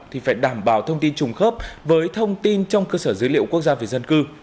thì phải đảm bảo thông tin trùng khớp với thông tin trong cơ sở dữ liệu quốc gia về dân cư